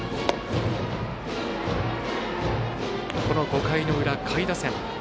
この５回の裏、下位打線。